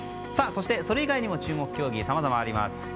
そしてそれ以外にも注目競技さまざまあります。